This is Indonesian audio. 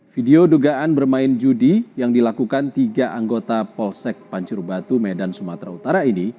video dugaan bermain judi yang dilakukan tiga anggota polsek pancur batu medan sumatera utara ini